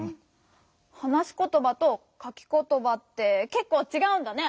はなしことばとかきことばってけっこうちがうんだね。